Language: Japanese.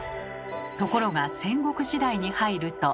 ところが戦国時代に入ると。